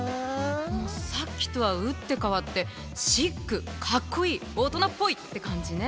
さっきとは打って変わってシックかっこいい大人っぽいって感じね。